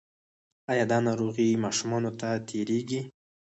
ایا دا ناروغي ماشومانو ته تیریږي؟